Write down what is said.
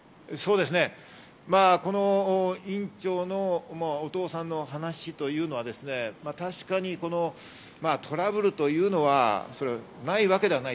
この院長のお父さんの話というのは確かに、トラブルというのはないわけではない。